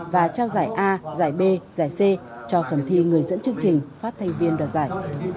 và trao giải a giải b giải c cho phần thi người dẫn chương trình phát thanh viên đoạt giải